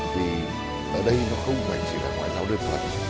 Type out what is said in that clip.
vì ở đây nó không chỉ là ngoại giao đơn phận